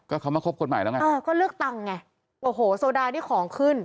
ก็เขามาคบคนใหม่แล้วไงเออก็เลือกตังค์ไงโอ้โหโซดานี่ของขึ้น